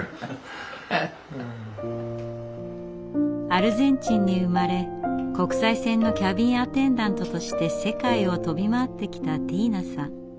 アルゼンチンに生まれ国際線のキャビンアテンダントとして世界を飛び回ってきたティーナさん。